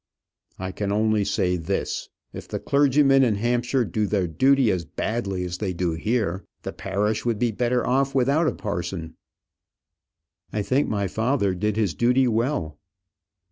"I can only say this: if the clergymen in Hampshire do their duty as badly as they do here, the parish would be better off without a parson." "I think my father did his duty well."